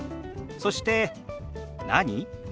そして「何？」。